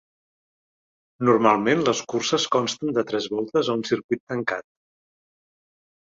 Normalment les curses consten de tres voltes a un circuit tancat.